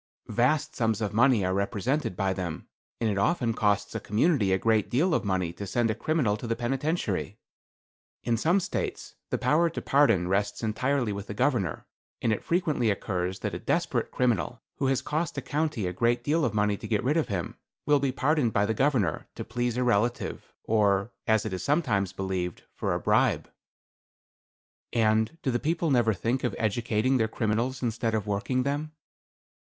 "Vast sums of money are represented by them; and it often costs a community a great deal of money to send a criminal to the penitentiary. In some States the power to pardon rests entirely with the governor, and it frequently occurs that a desperate criminal, who has cost a county a great deal of money to get rid of him, will be pardoned by the governor, to please a relative, or, as it is sometimes believed, for a bribe." "And do the people never think of educating their criminals instead of working them?